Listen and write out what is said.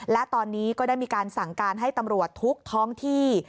และตอนนี้ก็ได้มีการสั่งการให้ตำรวจทุกท้องที่